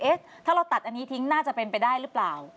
ถ้าเราตัดอันนี้ทิ้งน่าจะเป็นไปได้หรือเปล่า